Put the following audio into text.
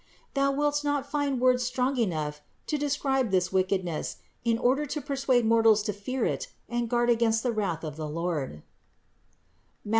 Thou wilt not find words strong enough to describe this wicked ness, in order to persuade mortals to fear it and guard against the wrath of the Lord (Matt.